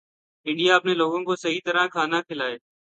India اپنے لوگوں کو صحیح طرح کھانا کھلائے